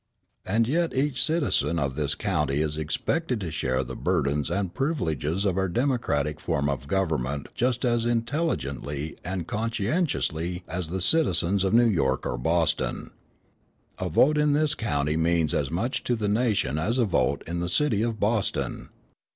And yet each citizen of this county is expected to share the burdens and privileges of our democratic form of government just as intelligently and conscientiously as the citizens of New York or Boston. A vote in this county means as much to the nation as a vote in the city of Boston.